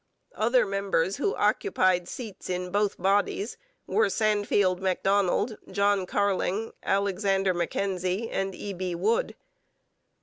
Other members who occupied seats in both bodies were Sandfield Macdonald, John Carling, Alexander Mackenzie, and E. B. Wood.